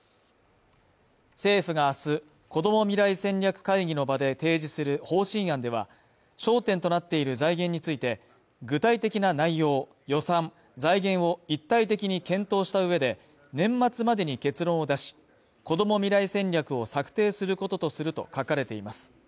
政府が明日こども未来戦略会議の場で提示する方針案では、焦点となっている財源について具体的な内容、予算、財源を一体的に検討した上で、年末までに結論を出し、こども未来戦略を策定することとすると書かれています。